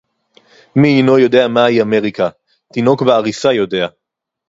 מי אינו יודע מהי אמריקה?! תינוק בעריסה יודע!